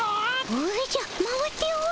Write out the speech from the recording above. おじゃ回っておるの。